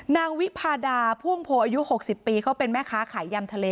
วิพาดาพ่วงโพอายุ๖๐ปีเขาเป็นแม่ค้าขายยำทะเล